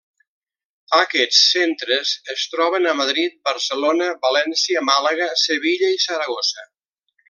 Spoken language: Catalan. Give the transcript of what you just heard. Aquests centres es troben a Madrid, Barcelona, València, Màlaga, Sevilla i Saragossa.